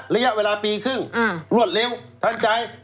ระยะเวลาปีครึ่งรวดเร็วทันใจ